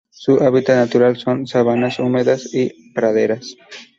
Su hábitat natural son: sabanas húmedas y praderas.